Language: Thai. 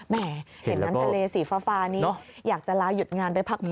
แหมเห็นนั้นทะเลสีฟ้านี้อยากจะล้าหยุดงานไปพักผ่อน